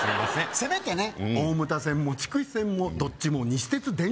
せめてね大牟田線も筑肥線もどっちも西鉄電車